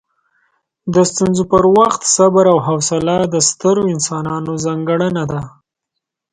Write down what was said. د ستونزو پر وخت صبر او حوصله د سترو انسانانو ځانګړنه ده.